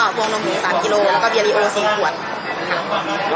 แล้วก็กวงลมหูสามกิโลแล้วก็เบียรีโอสีขวดค่ะ